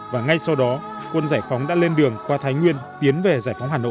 và ngay sau đó quân giải phóng đã lên đường qua thái nguyên tiến về giải phóng hà nội